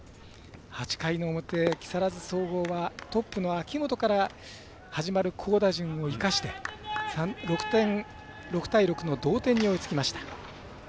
８回の表、木更津総合はトップの秋元から始まる好打順を生かして６対６の同点に追いつきました。